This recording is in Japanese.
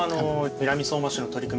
南相馬市の取り組み